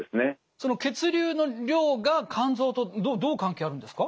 その血流の量が肝臓とどう関係あるんですか？